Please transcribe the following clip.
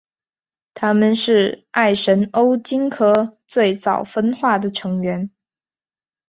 它们是艾什欧鲸科最早分化的成员。